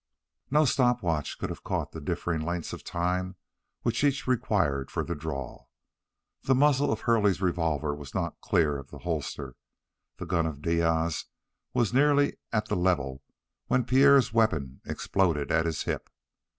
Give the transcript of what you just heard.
No stop watch could have caught the differing lengths of time which each required for the draw. The muzzle of Hurley's revolver was not clear of the holster the gun of Diaz was nearly at the level when Pierre's weapon exploded at his hip.